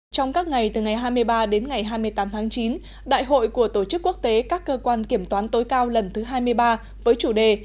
trong các ngày từ ngày hai mươi ba đến ngày hai mươi tám tháng chín đại hội của tổ chức quốc tế các cơ quan kiểm toán tối cao lần thứ hai mươi ba với chủ đề